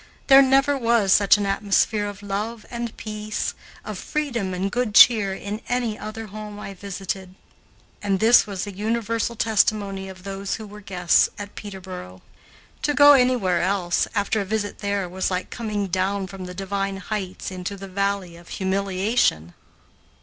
There never was such an atmosphere of love and peace, of freedom and good cheer, in any other home I visited. And this was the universal testimony of those who were guests at Peterboro. To go anywhere else, after a visit there, was like coming down from the divine heights into the valley of humiliation.